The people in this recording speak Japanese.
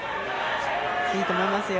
いいと思いますよ。